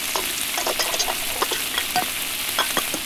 治所在永安堡。